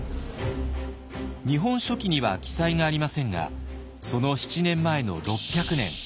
「日本書紀」には記載がありませんがその７年前の６００年。